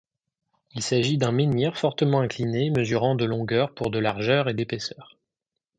Il s'agit d'un menhir fortement incliné mesurant de longueur pour de largeur et d'épaisseur.